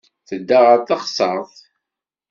Tedda ɣer teɣsert.